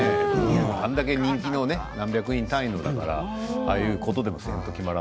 あれだけの何百人単位のだからああいうことでもしないと決まらない。